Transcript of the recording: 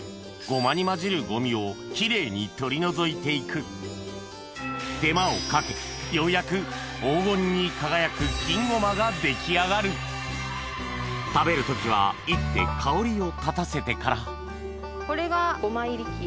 ごまに交じるゴミをキレイに取り除いて行く手間をかけようやく黄金に輝く金ごまが出来上がる食べる時は煎って香りを立たせてからこれがごま煎り器。